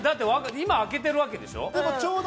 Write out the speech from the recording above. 今、開けているわけでしょ？